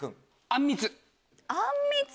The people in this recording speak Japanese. あんみつ！